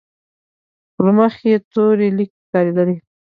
پر مخ يې تورې ليکې ښکارېدلې.